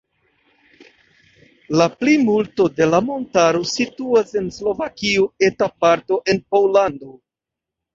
La plimulto de la montaro situas en Slovakio, eta parto en Pollando.